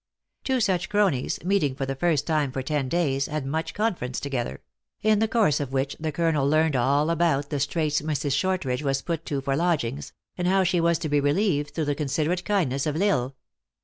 Two such cronies, meeting for the first time for ten days, had much conference together ; in the course of which the colonel learned all about the straits Mrs. Shortridge was put to for lodgings, and how she was to be re lieved through the considerate kindness of L Isle.